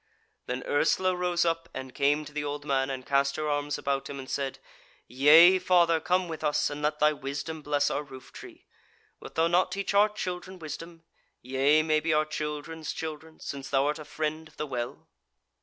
Then Ursula rose up and came to the old man, and cast her arms about him and said: "Yea, father, come with us, and let thy wisdom bless our roof tree. Wilt thou not teach our children wisdom; yea, maybe our children's children, since thou art a friend of the Well?"